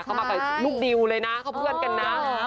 เขามากับลูกดิวเลยนะเขาเพื่อนกันนะ